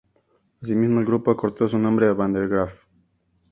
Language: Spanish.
Asimismo, el grupo acortó su nombre a 'Van der Graaf'.